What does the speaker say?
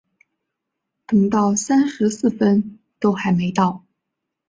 等到三十四分都还没到